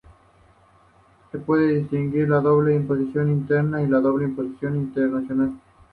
Se puede distinguir la doble imposición interna y la doble imposición internacional.